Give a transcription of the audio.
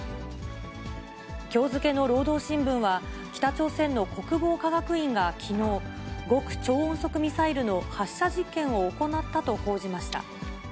きょう付けの労働新聞は、北朝鮮の国防科学院がきのう、極超音速ミサイルの発射実験を行ったと報じました。